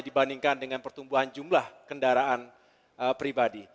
dibandingkan dengan pertumbuhan jumlah kendaraan pribadi